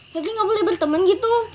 febri gak boleh bertemen gitu